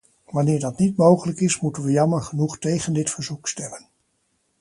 Wanneer dat niet mogelijk is, moeten we jammer genoeg tegen dit verzoek stemmen.